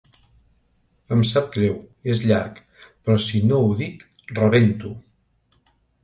Em sap greu, és llarg, però si no ho dic rebento.